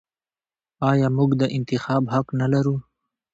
آیا موږ د انتخاب حق نلرو؟